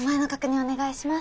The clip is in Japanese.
お願いします